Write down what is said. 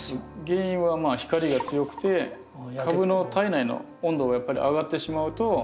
原因はまあ光が強くて株の体内の温度がやっぱり上がってしまうと。